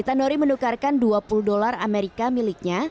tanori menukarkan dua puluh dolar amerika miliknya